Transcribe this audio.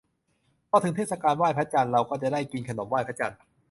พอถึงเทศกาลไหว้พระจันทร์ เราก็จะได้กินขนมไหว้พระจันทร์